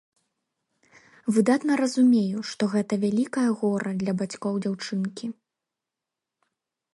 Выдатна разумею, што гэта вялікае гора для бацькоў дзяўчынкі.